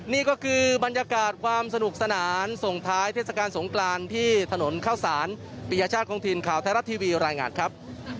นี่ก็คือบรรยากาศความสนุกสนานส่งท้ายเทศกาลสงกรานที่ถนนเข้าสารปียชาติของทีมข่าวไทยรัฐทีวีรายงานครับ